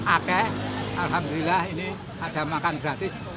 ake alhamdulillah ini ada makan gratis